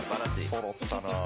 そろったなあ。